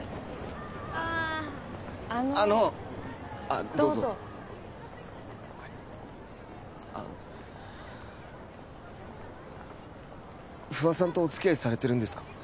あのあのあっどうぞどうぞあっ不破さんとおつきあいされてるんですか？